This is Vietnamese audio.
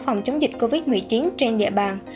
phòng chống dịch covid một mươi chín trên địa bàn